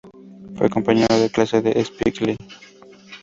Fue compañero de clase de Spike Lee.